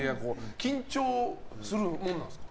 緊張するものなんですか？